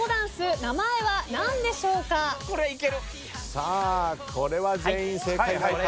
さあこれは全員正解なるか。